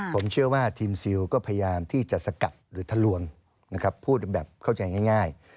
ผมเชื่อว่าทีมซิลก็พยายามที่จะสกัดหรือทะลวงนะครับพูดแบบเข้าใจง่าย